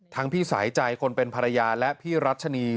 พี่สายใจคนเป็นภรรยาและพี่รัชนี